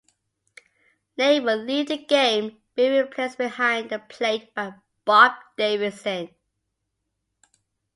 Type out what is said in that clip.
Layne would leave the game, being replaced behind the plate by Bob Davidson.